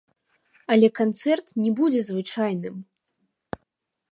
Але канцэрт не будзе звычайным.